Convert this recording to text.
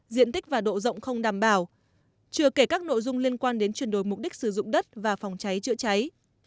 diện tích và độ rộng không đảm bảo chưa kể các nội dung liên quan đến chuyển đổi mục đích sử dụng đất và phòng cháy chữa cháy